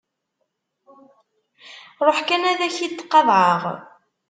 Ṛuḥ kan ad k-id-qaḍɛeɣ.